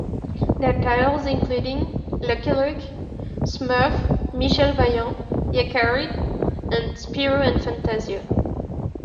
Their titles including "Lucky Luke", "Smurf", "Michel Vaillant", "Yakari", and "Spirou and Fantasio".